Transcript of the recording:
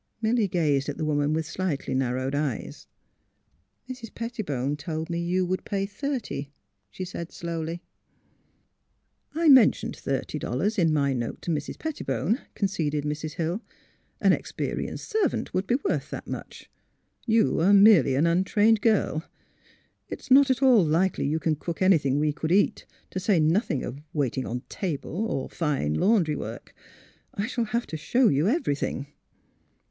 " Milly gazed at the woman with slightly nar rowed eyes. '' Mrs. Pettibone told me you would pay thirty," she said, slowly. "I mentioned thirty dollars in my note to Mrs. Pettibone, '' conceded Mrs. Hill. '' An experienced servant would be worth that much. You are merely an untrained girl. It is not at all likely you can cook anything we could eat, to say nothing of waiting on table, or fine laundry work. I shall have to show you everything.